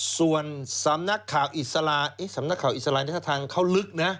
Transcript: ส่วนสำนักข่าวอิสระสำนักข่าวอิสระในท่าทางเขาลึกนะ